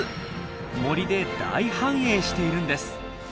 森で大繁栄しているんです。